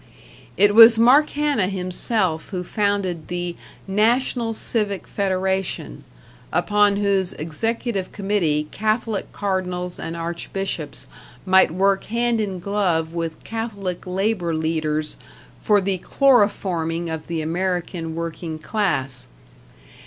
It was Mark Hanna himself who founded the National Civic Federation, upon whose executive committee Catholic cardinals and archbishops might work hand in glove with Catholic labor leaders for the chloroforming of the American working class.